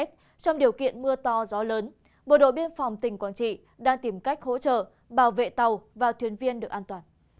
trong điều kiện mưa to gió lớn bộ đội biên phòng tỉnh quảng trị đang tìm cách hỗ trợ bảo vệ tàu và thuyền viên được an toàn